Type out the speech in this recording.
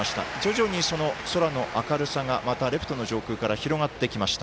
徐々に空の明るさが、レフトの上空から広がってきました。